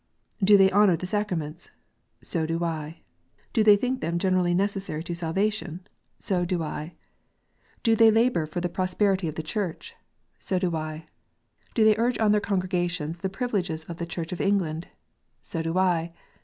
Do they honour the sacraments ? So do I. Do they think them generally necessary to salvation 1 ? So do I. Do they 158 KNOTS UNTIED. labour for the prosperity of the Church? So do I. Do they urge on their congregations the privileges of the Church of England ? So do I.